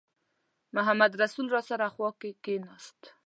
محمدرسول راسره خوا کې کېناست.